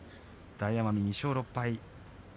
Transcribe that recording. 大奄美は２勝６敗。